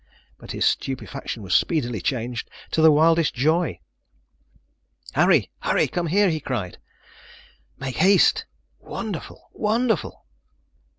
But his stupefaction was speedily changed to the wildest joy. "Harry! Harry! come here!" he cried; "make haste wonderful wonderful!"